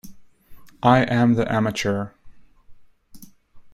I am the amateur.